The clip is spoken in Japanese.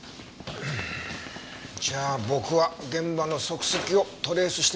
じゃあ僕は現場の足跡をトレースしてみるか。